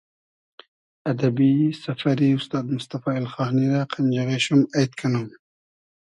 ادئبی سئفئری اوستاد موستئفا اېلخانی رۂ قئنجیغې شوم اݷد کئنوم